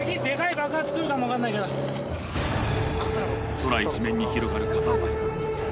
空一面に広がる火山灰。